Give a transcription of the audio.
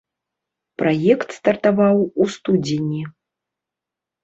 Праект стартаваў у студзені.